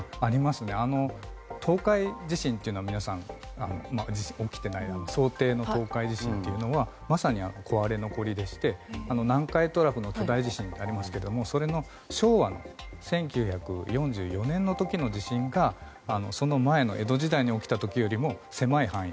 想定の東海地震というのは起きてないですが想定の東海地震というのはまさに、割れ残りでして南海トラフの巨大地震がありますが昭和の１９４４年の時の地震がその前の江戸時代に起きた時よりも狭い範囲